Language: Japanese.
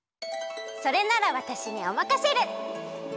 それならわたしにおまかシェル！